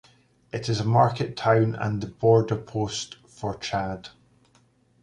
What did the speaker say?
It is a market town and the border post for Chad.